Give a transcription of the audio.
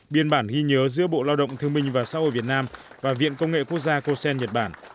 biên bản ghi nhớ giữa bộ lao động thương minh và xã hội việt nam và viện công nghệ quốc gia cosen nhật bản